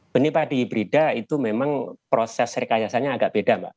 benih padi hibrida itu memang proses rekayasanya agak beda mbak